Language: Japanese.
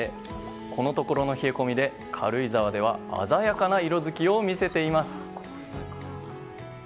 このところの冷え込みで軽井沢では鮮やかな色付きを見せています。